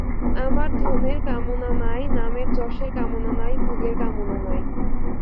আমার ধনের কামনা নাই, নাম-যশের কামনা নাই, ভোগের কামনা নাই।